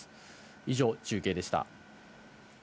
以上、中継でした。